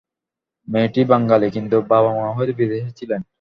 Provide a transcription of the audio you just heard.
মেয়েটি বাঙালিই, কিন্তু বাবা-মা হয়তো বিদেশে ছিলেন।